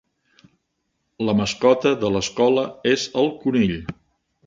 La mascota de l'escola és el conill.